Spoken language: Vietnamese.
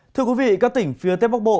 thưa quý vị các tỉnh phía tết bắc bộ